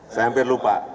saya hampir lupa